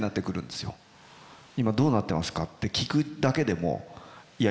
今どうなってますかって聞くだけでもいや